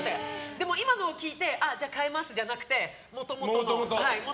でも今のを聞いてじゃあ変えますじゃなくてもともとの。